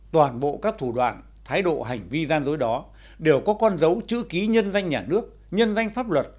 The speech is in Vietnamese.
toàn bộ các thủ đoạn thái độ hành vi gian dối đó đều có con dấu chữ ký nhân danh nhà nước nhân danh pháp luật